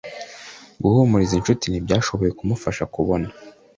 guhumuriza inshuti ntibyashoboye kumfasha kubona.